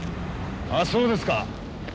ああそうですか。